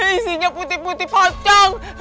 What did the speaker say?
isinya putih putih pocong